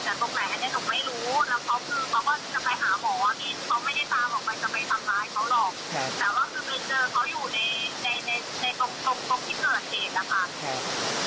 ใช่ค่ะถ่ายรูปส่งให้พี่ดูไหม